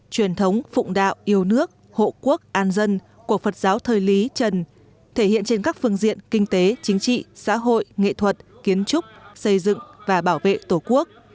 truyền thống phụng đạo yêu nước hộ quốc an dân của phật giáo thời lý trần thể hiện trên các phương diện kinh tế chính trị xã hội nghệ thuật kiến trúc xây dựng và bảo vệ tổ quốc